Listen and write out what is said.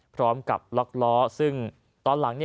พร้อมกับล็อกล้อซึ่งตอนหลัง